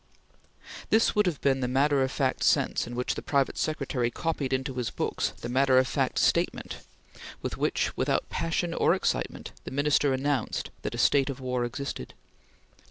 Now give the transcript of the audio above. This would have been the matter of fact sense in which the private secretary copied into his books the matter of fact statement with which, without passion or excitement, the Minister announced that a state of war existed.